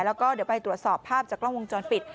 แล้วก็เดี๋ยวไปตรวจสอบภาพจากกล้องวงจรปิด